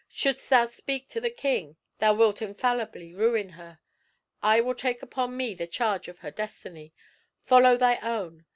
Shouldst thou speak to the king, thou wilt infallibly ruin her. I will take upon me the charge of her destiny; follow thy own.